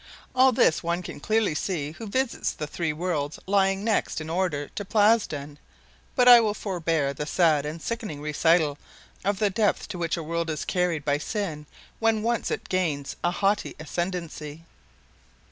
All this one can clearly see who visits the three worlds lying next in order to Plasden, but I will forbear the sad and sickening recital of the depth to which a world is carried by sin when once it gains a haughty ascendency.